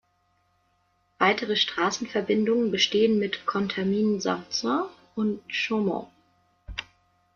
Weitere Straßenverbindungen bestehen mit Contamine-Sarzin und Chaumont.